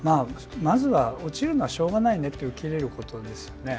まずは、落ちるのはしょうがないねと吹っ切れることですよね。